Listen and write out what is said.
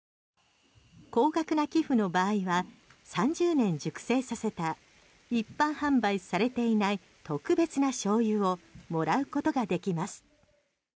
高額な寄付の場合は３０年熟成させた一般販売されていない特別なしょうゆをもらうことができます。